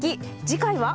次回は？